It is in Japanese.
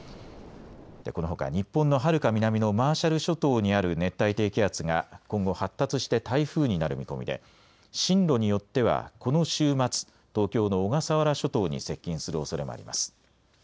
このほか日本のはるか南のマーシャル諸島にある熱帯低気圧が今後、発達して台風になる見込みで進路によってはこの週末、東京の小笠原諸島に接近するおそれもあります。